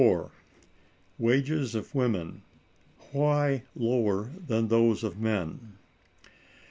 Wages of Women, why Lower than those of Men.